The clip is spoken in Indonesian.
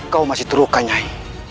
ternamed satu belakang ini